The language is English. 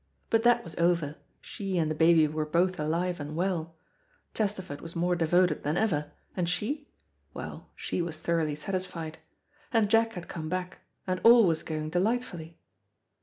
But that was over; she and the baby were both alive and well. Chesterford was more devoted than ever, and she? well, she was thoroughly satisfied. And Jack had come back, and all was going delightfully.